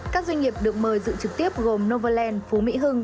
các doanh nghiệp được mời dự trực tiếp gồm novaland phú mỹ hưng